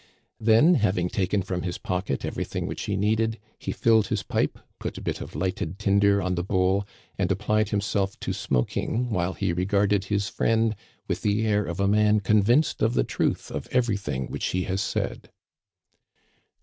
Then, having taken from his pocket everything which he needed, he filled his pipe, put a bit of lighted tinder on the bowl, and applied himself to smoking while he regarded his friend with the air of a man convinced of the truth of everything which he has said.